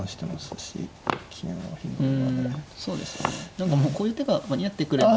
何かもうこういう手が間に合ってくれば。